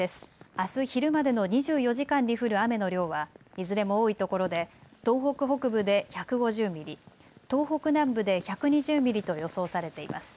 あす昼までの２４時間に降る雨の量はいずれも多いところで東北北部で１５０ミリ、東北南部で１２０ミリと予想されています。